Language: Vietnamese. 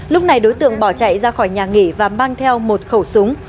lúc này đối tượng bỏ chạy ra khỏi nhà nghỉ và mang theo một khẩu súng